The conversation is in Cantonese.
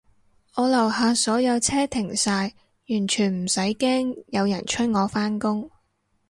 我樓下所有車停晒，完全唔使驚有人催我返工